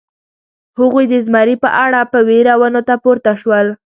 هغوی د زمري په اړه په وېره ونو ته پورته شول.